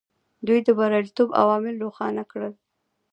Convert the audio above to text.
دوی د بریالیتوب عوامل روښانه کړل.